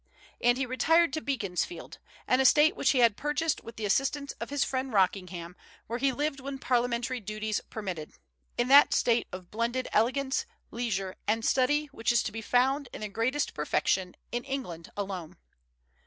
And he retired to Beaconsfield, an estate which he had purchased with the assistance of his friend Rockingham, where he lived when parliamentary duties permitted, in that state of blended elegance, leisure, and study which is to be found, in the greatest perfection, in England alone.